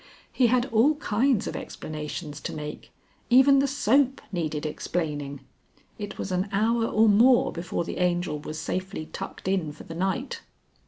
He had all kinds of explanations to make even the soap needed explaining. It was an hour or more before the Angel was safely tucked in for the night.